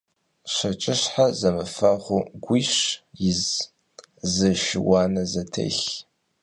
ЩэкӀыщхьэ зэмыфэгъуу гуищ из, зы шы – уанэ зэтелъ!